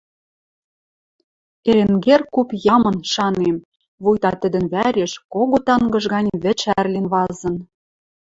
Эренгер куп ямын, шанем, вуйта тӹдӹн вӓреш кого тангыж гань вӹд шӓрлен вазын.